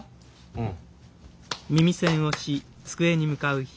うん。